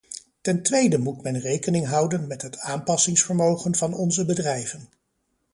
Ten tweede moet men rekening houden met het aanpassingsvermogen van onze bedrijven.